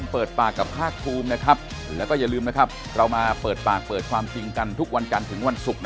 ปฏิเสธไม่ได้ครับ